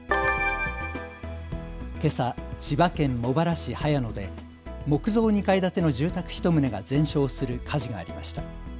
けさ千葉県茂原市早野で木造２階建ての住宅１棟が全焼する火事がありました。